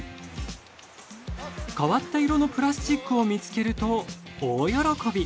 変わった色のプラスチックを見つけると大喜び。